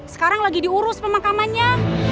sekarang lagi diurus pemakamannya